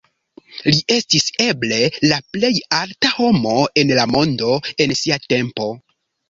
Li estis eble la plej alta homo en la mondo en sia tempo.